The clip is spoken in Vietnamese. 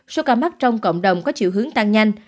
số ca mắc trong cộng đồng có chiều hướng tăng nhanh